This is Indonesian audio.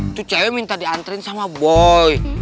itu cewek minta diantri sama boy